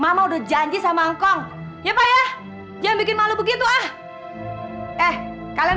mama udah janji sama hongkong ya pak ya jangan bikin malu begitu ah eh kalian